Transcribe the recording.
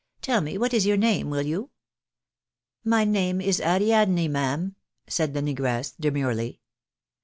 " Tell me what is your name, will you ?"" My name is Ariadne, ma'am," said the negress, demurely.